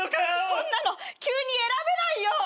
そんなの急に選べないよ！